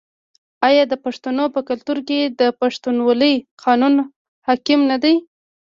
آیا د پښتنو په کلتور کې د پښتونولۍ قانون حاکم نه دی؟